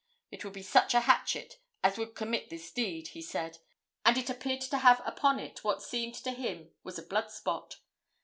It would be such a hatchet as would commit this deed, he said, and it appeared to have upon it what seemed to him was a blood spot.